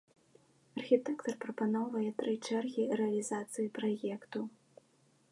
Архітэктар прапаноўвае тры чэргі рэалізацыі праекту.